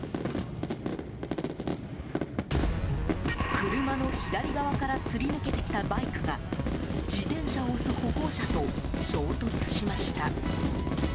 車の左側からすり抜けてきたバイクが自転車を押す歩行者と衝突しました。